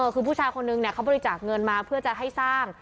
คือผู้ชายคนนึงเขาบริจาคเงินมาเพื่อจะให้สร้าง